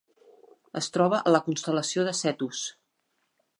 Es troba a la constel·lació de Cetus.